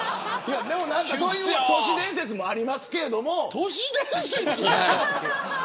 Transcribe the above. そういう都市伝説もありますけど。